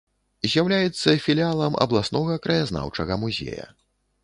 З'яўляецца філіялам абласнога краязнаўчага музея.